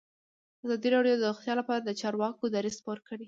ازادي راډیو د روغتیا لپاره د چارواکو دریځ خپور کړی.